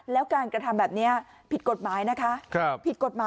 แล้วการกระทำแบบนี้ผิดกฎหมายนะคะ